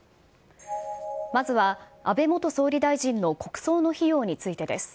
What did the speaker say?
まずは安倍元総理大臣の国葬の費用についてです。